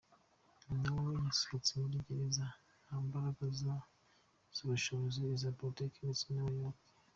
Nawe yasohotse muri gereza nta mbaraga zaba iz’ubushobozi, iza politiki ndetse n’abayoboke.